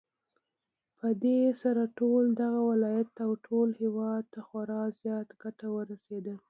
پدې سره ټول دغه ولايت او ټول هېواد ته خورا زياته گټه ورسېده